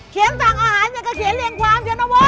เขียนฝั่งอาหารก็เขียนเลี่ยงความเยอะน่ะ